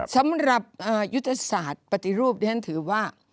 สำหรับยุทธศาสตร์ปฏิรูปที่ฉันถือว่า